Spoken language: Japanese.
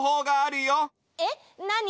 えっなに？